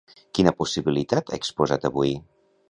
Quina possibilitat ha exposat avui?